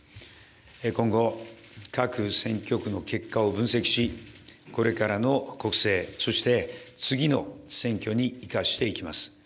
今後、各選挙区の結果を分析し、これからの国政、そして次の選挙に生かしていきます。